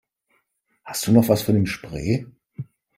Hast du noch was von dem Spray?